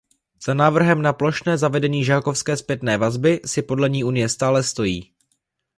Za návrhem na plošné zavedení žákovské zpětné vazby si podle ní Unie stále stojí.